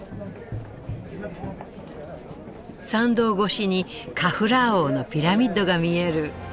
参道越しにカフラー王のピラミッドが見える。